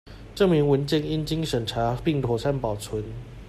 證明文件應經審查並妥善保存